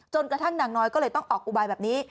กระทั่งนางน้อยก็เลยต้องออกอุบายแบบนี้